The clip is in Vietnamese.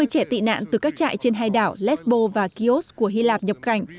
các trại tị nạn từ các trại trên hai đảo lesbo và chios của hy lạp nhập cảnh